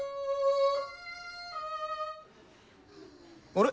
あれ？